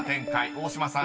［大島さん